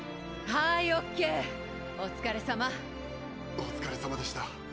お疲れさまでした。